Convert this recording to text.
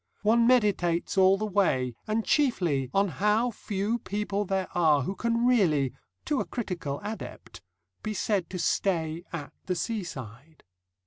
One meditates all the way, and chiefly on how few people there are who can really to a critical adept be said to stay at the seaside.